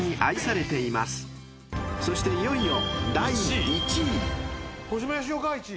［そしていよいよ］